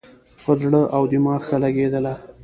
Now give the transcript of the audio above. پر زړه او دماغ ښه لګېدله.